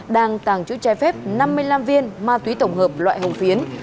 đang tàng trữ trái phép năm mươi năm viên ma túy tổng hợp loại hồng phiến